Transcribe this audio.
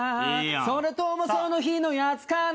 それともその日のやつかな？」